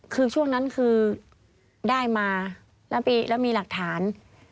คือช่วงนั้นคือได้มาแล้วมีหลักฐาน